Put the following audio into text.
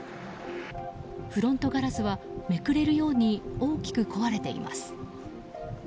フロントガラスはめくれるように大きく壊れています。